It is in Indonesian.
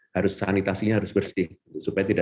harus sanitasinya harus bersih